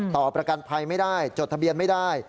ต่อประกันภัยไม่ได้จดทะเบียนไม่ได้